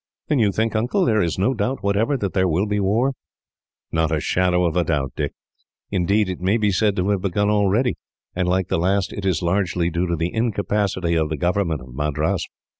"Then you think, Uncle, there is no doubt whatever that there will be war?" "Not a shadow of doubt, Dick indeed, it may be said to have begun already; and, like the last, it is largely due to the incapacity of the government of Madras."